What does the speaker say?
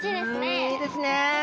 うんいいですね。